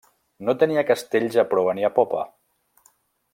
No tenia castells a proa ni a popa.